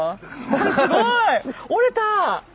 これすごい。折れた。